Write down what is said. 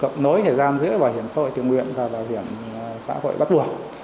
cộng nối thời gian giữa bảo hiểm xã hội tự nguyện và bảo hiểm xã hội bắt buộc